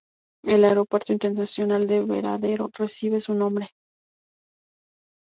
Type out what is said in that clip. El aeropuerto internacional de Varadero recibe su nombre.